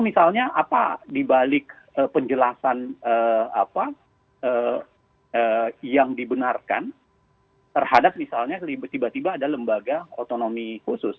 misalnya apa dibalik penjelasan apa yang dibenarkan terhadap misalnya tiba tiba ada lembaga otonomi khusus